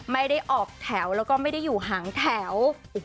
ไม่ได้ออกแถวแล้วก็ไม่ได้อยู่ห่างแถว